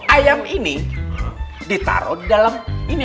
ayam ini ditaro di dalam ini pakcik